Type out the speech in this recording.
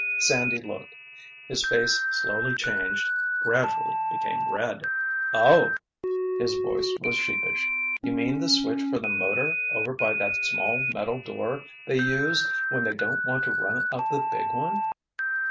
Sandy looked. His face slowly changed, gradually became red. "Oh!" His voice was sheepish. "You mean the switch for the motor over by that small metal door they use when they don't want to run up the big one?"